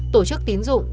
tổ chức tín dụng